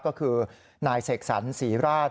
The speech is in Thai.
ก็คือนายเสกสรรศรีราช